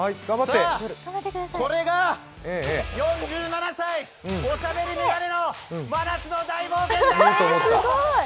さあ、これが４７歳、おしゃべりメガネの真夏の大冒険だ！